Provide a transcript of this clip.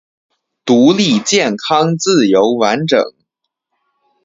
独立健康自由完整